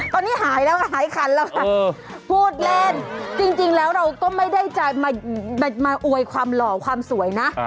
ตอนนี้หายแล้วค่ะหายคันแล้วค่ะพูดเล่นจริงแล้วเราก็ไม่ได้จะมาอวยความหล่อความสวยนะ